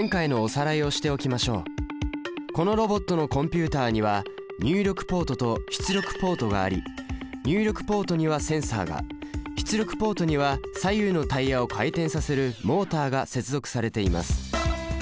このロボットのコンピュータには入力ポートと出力ポートがあり入力ポートにはセンサが出力ポートには左右のタイヤを回転させるモータが接続されています。